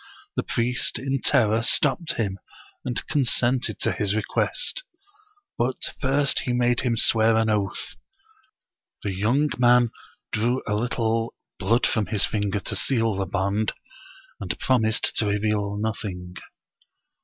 The priest in terror stopped him, and consented to his request, but first he made him swear an oath. The young man drew a little blood from his finger to seal the bond, and promised to reveal nothing.